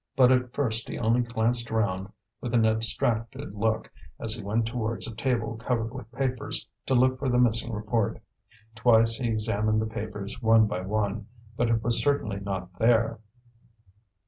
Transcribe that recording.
But at first he only glanced round with an abstracted look as he went towards a table covered with papers to look for the missing report. Twice he examined the papers one by one, but it was certainly not there.